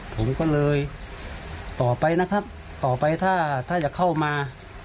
ผมก็เลยต่อไปนะครับต่อไปถ้าถ้าจะเข้ามา